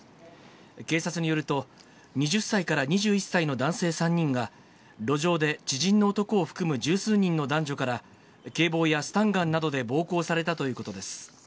警察によると、２０歳から２１歳の男性３人が、路上で知人の男を含む十数人の男女から、警棒やスタンガンなどで暴行されたということです。